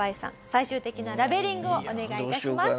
最終的なラベリングをお願いいたします。